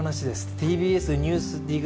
ＴＢＳ「ＮＥＷＳＤＩＧ」